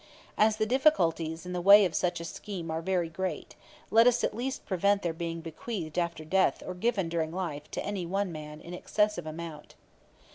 As the difficulties in the way of such a scheme are very great, let us at least prevent their being bequeathed after death or given during life to any one man in excessive amount.